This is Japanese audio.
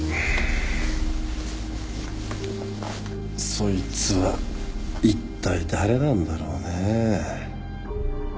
そいつはいったい誰なんだろうねえ。